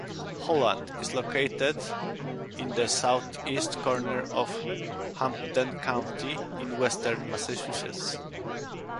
Holland is located in the southeast corner of Hampden County in western Massachusetts.